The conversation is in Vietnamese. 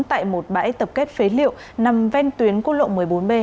tại một bãi tập kết phế liệu nằm ven tuyến quốc lộ một mươi bốn b